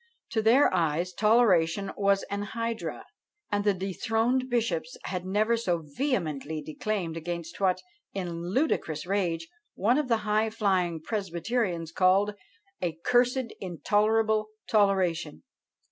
To their eyes toleration was an hydra, and the dethroned bishops had never so vehemently declaimed against what, in ludicrous rage, one of the high flying presbyterians called "a cursed intolerable toleration!"